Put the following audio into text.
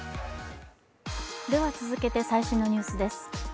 続けて最新のニュースです。